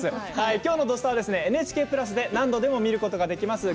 今日の「土スタ」はＮＨＫプラスで何度でも見ることができます。